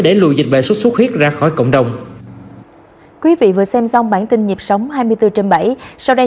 để lùi dịch bệnh sốt xuất huyết ra khỏi cộng đồng quý vị vừa xem xong bản tin nhịp sống hai mươi bốn trên bảy sau đây